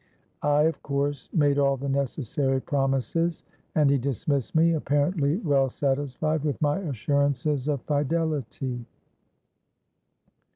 '—I, of course, made all the necessary promises; and he dismissed me, apparently well satisfied with my assurances of fidelity.